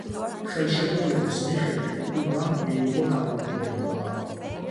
ხელშეკრულების მიხედვით კუბამ მიიღო დამოუკიდებლობა.